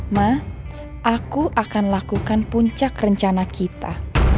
ma aku akan lakukan puncak rencana kita